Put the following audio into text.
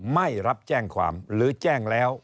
ไม่รับแจ้งความหรือแจ้งแล้ว